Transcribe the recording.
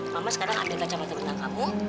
mama sekarang ambil kacamata berenang kamu